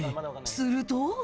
すると。